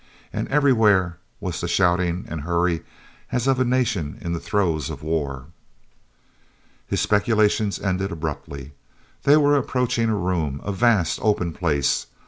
And everywhere was the shouting and hurry as of a nation in the throes of war. His speculations ended abruptly. They were approaching a room, a vast open place.